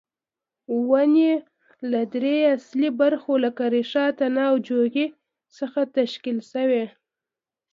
ونې له درې اصلي برخو لکه ریښه، تنه او جوغې څخه تشکیل شوې.